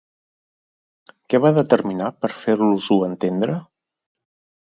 Què va determinar per fer-los-ho entendre?